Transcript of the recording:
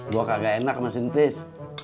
gue kagak enak sama sintis